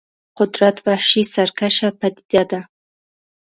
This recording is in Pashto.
قدرت وحشي سرکشه پدیده ده.